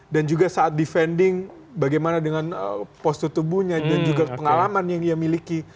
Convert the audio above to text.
dan juga saat defending bagaimana dengan postur tubuhnya dan juga pengalaman yang ia miliki